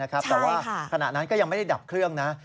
แต่ว่าขณะนั้นก็ยังไม่ได้ดับเครื่องนะ